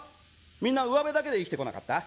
みんなうわべだけで生きてこなかった？